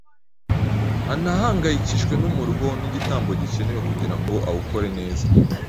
anahangayikishwe n’umuruho n’igitambo gikenewe kugira ngo awukore neza.